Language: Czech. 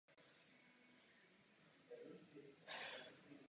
Bouřky měly vždy velký vliv na lidstvo.